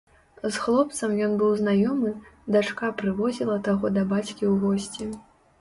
З хлопцам ён быў знаёмы, дачка прывозіла таго да бацькі ў госці.